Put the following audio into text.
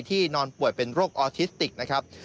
นอนป่วยเป็นโรคออทิสติกนะครับ